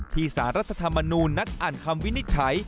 สารรัฐธรรมนูญนัดอ่านคำวินิจฉัย